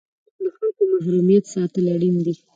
د خلکو محرمیت ساتل اړین دي؟